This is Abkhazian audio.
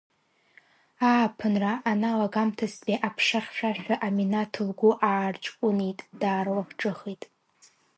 Ааԥынра аналагамҭазтәи аԥша хьшәашәа Аминаҭ лгәы аарҷкәынеит, даарлахҿыхит.